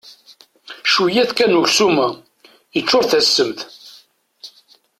Cwiyya-t kan uksum-a, yeččur d tasemt.